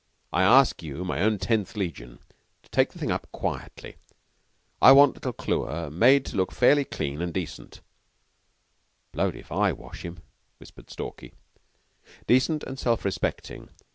I ask you my own Tenth Legion to take the thing up quietly. I want little Clewer made to look fairly clean and decent " "Blowed if I wash him!" whispered Stalky. "Decent and self respecting.